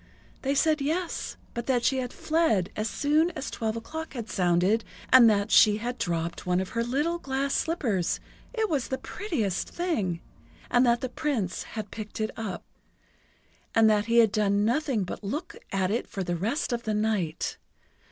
They said yes, but that she had fled as soon as twelve o'clock had sounded, and that she had dropped one of her little glass slippers it was the prettiest thing! and that the Prince had picked it up. And that he had done nothing but look at it for the rest of the night!